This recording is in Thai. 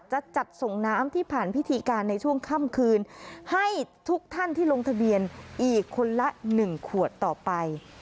จะจัดส่งน้ำที่ผ่านพิธีการในช่วงค่ำคืนให้ทุกท่านที่ลงทะเบียนอีกคนละ๑ขวดต่อไป